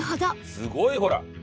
すごい！ほら。